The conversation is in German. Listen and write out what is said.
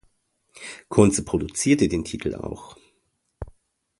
Kunze produzierte den Titel auch.